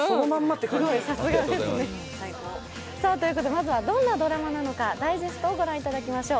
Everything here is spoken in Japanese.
まずはどんなドラマなのかダイジェストをご覧いただきましょう。